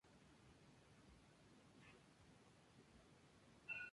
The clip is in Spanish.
Se refiere tanto al barco como a la batalla ganada por los cubanos.